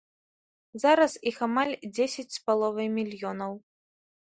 Зараз іх амаль дзесяць з паловай мільёнаў.